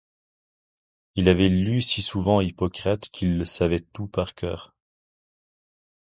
Il avait lu si souvent Hippocrate, qu’il le savait tout par cœur.